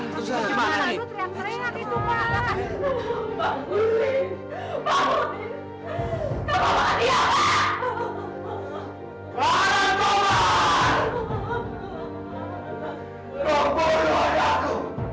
itu teriak teriak itu pak